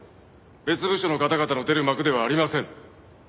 別部署の方々の出る幕ではありません。